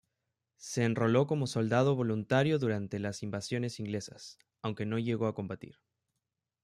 Se enroló como soldado voluntario durante las Invasiones Inglesas, aunque no llegó a combatir.